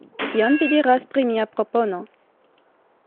Kion vi diras pri mia propono?